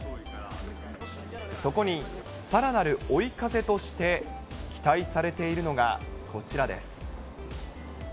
そこにさらなる追い風として期待されているのがこちらです。